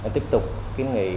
tiếp tục kiếm nghị